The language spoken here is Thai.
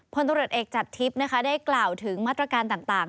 พลตำรวจเอกจากทิพย์นะคะได้กล่าวถึงมาตรการต่าง